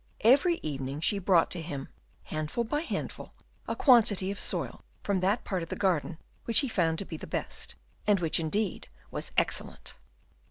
Every evening she brought to him, handful by handful, a quantity of soil from that part of the garden which he had found to be the best, and which, indeed, was excellent.